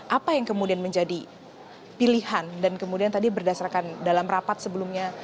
apa yang kemudian menjadi pilihan dan kemudian tadi berdasarkan dalam rapat sebelumnya